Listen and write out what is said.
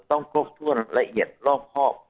ต้องครบถ้วนละเอียดรอบคอบ